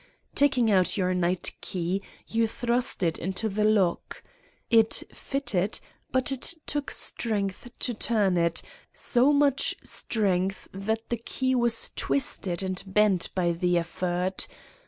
Taking out your night key, you thrust it into the lock. It fitted, but it took strength to turn it, so much strength that the key was twisted and bent by the effort.